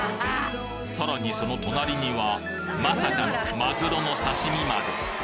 さらにその隣にはまさかのマグロの刺身まで！